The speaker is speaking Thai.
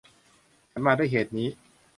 ฉันมาด้วยเหตุนี้